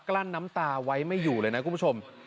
ลั้นน้ำตาไว้ไม่อยู่เลยนะคุณผู้ชม